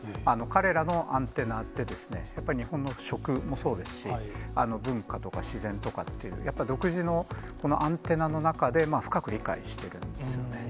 彼らのアンテナで、やっぱり日本の食もそうですし、文化とか自然とかっていう、やっぱ独自のアンテナの中で深く理解してるんですよね。